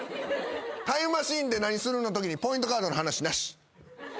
「タイムマシンで何する」のときにポイントカードの話なし。